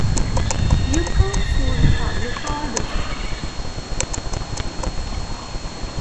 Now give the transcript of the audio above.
You can't fool the public all the time.